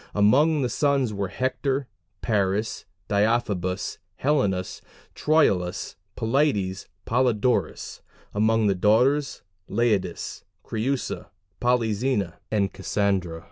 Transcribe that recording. Among the sons were Hector, Paris, Deiphobus, Helenus, Troilus, Polites, Polydorus; among the daughters, Laodice, Creusa, Polyxena, and Cassandra.